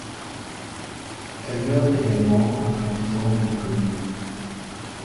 Elle meurt également après dix ans de vie commune.